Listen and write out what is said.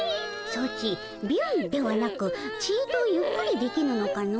ソチビュンではなくちとゆっくりできぬのかの？